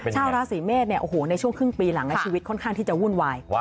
ชาวราศีเมษในช่วงครึ่งปีหลังชีวิตค่อนข้างที่จะวุ่นวาย